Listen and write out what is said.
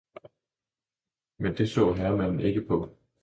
men det så herremanden ikke på.